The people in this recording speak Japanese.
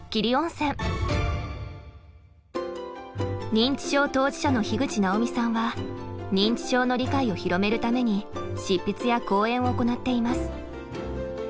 認知症当事者の樋口直美さんは認知症の理解を広めるために執筆や講演を行っています。